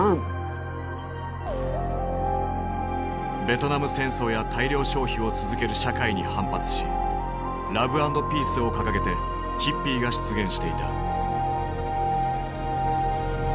ベトナム戦争や大量消費を続ける社会に反発し「ラブ＆ピース」を掲げてヒッピーが出現していた。